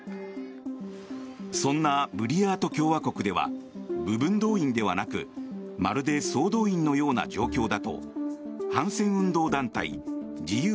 そんなブリヤート共和国では部分動員ではなくまるで総動員のような状況だと反戦運動団体自由